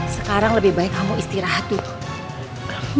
sekarang lebih baik kamu istirahat dulu